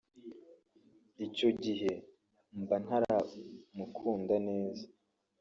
icyo gihe mba ntaramukunda neza